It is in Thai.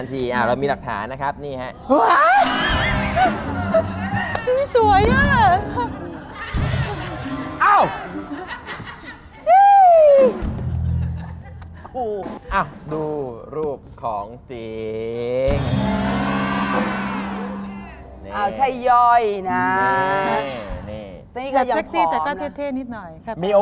แต่มีบ้างนิดหน่อย